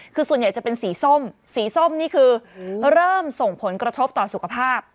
คือส่วนใหญ่จะเป็นสีส้มสีส้มนี่คือเริ่มส่งผลกระทบต่อสุขภาพ